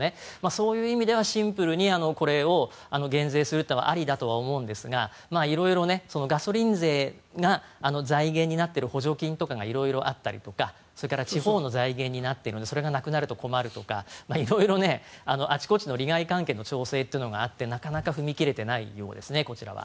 そういう意味ではシンプルにこれを減税するのはありだと思うんですが色々、ガソリン税が財源になっている補助金とかが色々あったりとか、それから地方の財源になっているのでそれがなくなると困るとか色々あちこちの利害関係の調整があってなかなか踏み切れていないようですね、こちらは。